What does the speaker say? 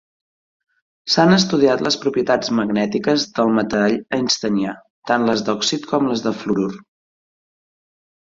S'han estudiat les propietats magnètiques del metall einsteinià, tant les d'òxid, com les de fluorur.